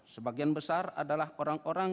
sebagian besar adalah orang orang